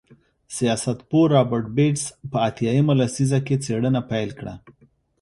سیاستپوه رابرټ بېټس په اتیا مه لسیزه کې څېړنه پیل کړه.